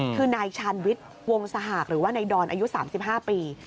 คือนายชาญวิทย์วงสหากหรือว่านายดอนอายุ๓๕ปี